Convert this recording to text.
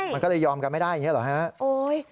มันก็เลยยอมกันไม่ได้อย่างนี้เหรอฮะ